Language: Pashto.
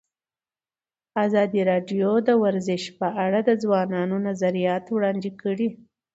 ازادي راډیو د ورزش په اړه د ځوانانو نظریات وړاندې کړي.